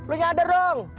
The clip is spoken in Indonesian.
lo nyadar dong